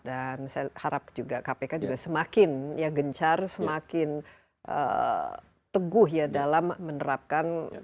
dan saya harap juga kpk juga semakin ya gencar semakin teguh ya dalam menutup kesempatan kita